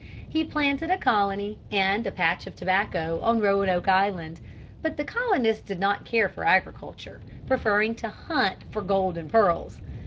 He planted a colony and a patch of tobacco on Roanoke Island, but the colonists did not care for agriculture, preferring to hunt for gold and pearls.